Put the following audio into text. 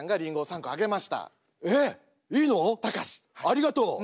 「ありがとう。